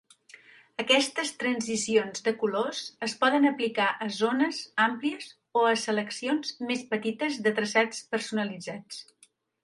Aquestes transicions de colors es poden aplicar a zones amplies o a seleccions més petites de traçats personalitzats.